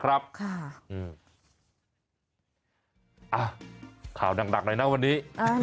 ข่าวหนักเลยนะวันนี้